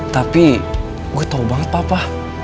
tapi gue tau banget papa